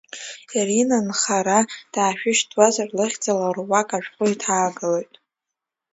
Ирина, нхара даашәышьҭуазар, лыхьӡала руак ашәҟәы иҭаагалоит.